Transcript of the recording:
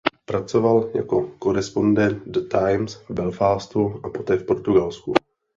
Pracoval jako korespondent "The Times" v Belfastu a poté v Portugalsku.